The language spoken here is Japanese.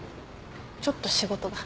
ちょっと仕事が。